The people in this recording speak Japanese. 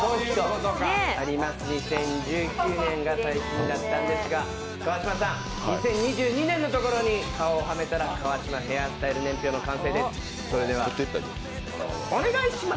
２０１９年が最近だったんですが川島さん、２０２２年のところに顔をはめたら川島ヘアスタイル年表が完成します。